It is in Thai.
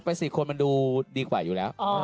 ๔คนมันดูดีกว่าอยู่แล้ว